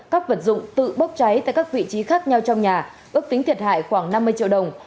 các vật dụng tự bốc cháy tại các vị trí khác nhau trong nhà ước tính thiệt hại khoảng năm mươi triệu đồng